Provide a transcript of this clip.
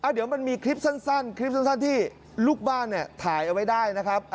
เดี๋ยวมันมีคลิปสั้นคลิปสั้นที่ลูกบ้านถ่ายเอาไว้ได้นะครับ